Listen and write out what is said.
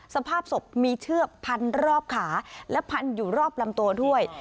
สภาพศพมีเชือกพันรอบขาและพันอยู่รอบลำตัวด้วย